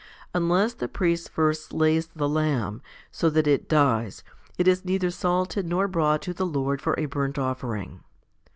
Unless the priest first slays the lamb, so that it dies, it is neither salted nor brought to the Lord for a burnt offering.